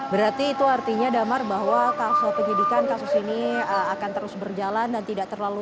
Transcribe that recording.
berarti itu artinya damar bahwa kasus penyidikan kasus ini akan terus berjalan dan tidak terlalu